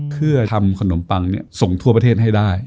เพื่อทำขนมปังส่งทั่วประเทศให้ได้